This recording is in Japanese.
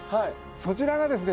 そちらがですね